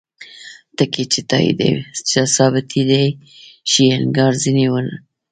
ټکي چې ثابتیدای شي انکار ځینې ونکړو.